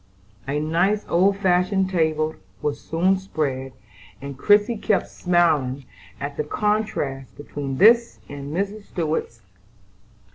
A nice old fashioned table was soon spread, and Christie kept smiling at the contrast between this and Mrs. Stuart's.